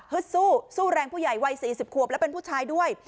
ฮึดสู้สู้แรงผู้ใหญ่วัยสี่สิบขวบแล้วเป็นผู้ชายด้วย